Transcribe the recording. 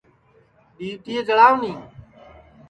ڈؔؔیوٹیئے جݪاو نی